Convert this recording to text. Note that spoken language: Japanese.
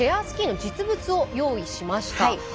スキーの実物を用意しました。